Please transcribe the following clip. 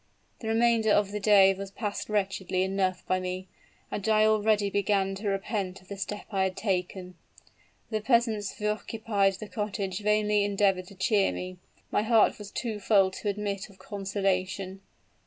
The remainder of the day was passed wretchedly enough by me; and I already began to repent of the step I had taken. The peasants who occupied the cottage vainly endeavored to cheer me; my heart was too full to admit of consolation.